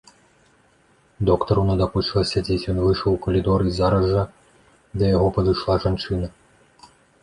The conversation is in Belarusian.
Доктару надакучыла сядзець, ён выйшаў у калідор, і зараз жа да яго падышла жанчына.